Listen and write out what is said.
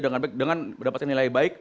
dengan mendapatkan nilai baik